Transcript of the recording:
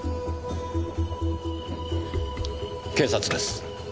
警察です。